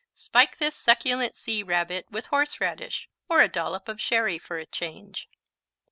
Spike this succulent Sea Rabbit with horseradish or a dollop of sherry, for a change.